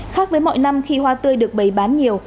khác với mọi năm khi hoa tươi được bày bán nhiều